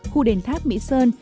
khu đền tháp mỹ sơn